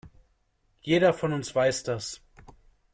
Jeder von uns weiß das.